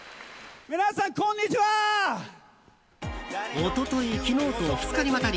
一昨日、昨日と２日にわたり